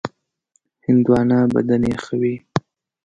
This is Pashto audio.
هندوانه بدن یخوي.